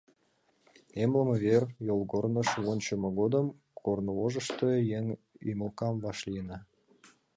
Эмлыме вер йолгорныш вончымо годым корнывожышто еҥ ӱмылкам вашлийна.